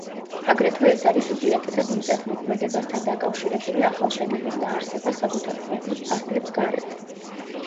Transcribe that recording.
აგრეთვე ეს არის უპირატესად მიწათმოქმედებასთან დაკავშირებული ახალშენების დაარსება საკუთარი ქვეყნის ფარგლებს გარეთ.